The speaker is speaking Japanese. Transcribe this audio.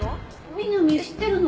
美波知ってるの？